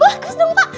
wah bagus dong pak